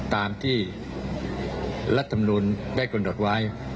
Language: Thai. ตามที่รัฐมนุนได้กำหนดไว้